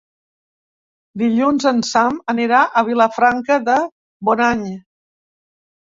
Dilluns en Sam anirà a Vilafranca de Bonany.